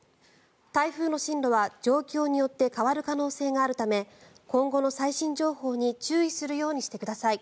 台風の進路は状況によって変わる可能性があるため今後の最新情報に注意するようにしてください。